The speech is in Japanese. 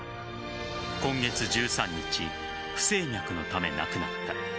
今月１３日不整脈のため、亡くなった。